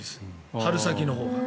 春先のほうが。